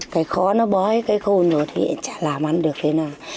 cái khó nó bói cái khôn rồi thì chả làm ăn được thế nào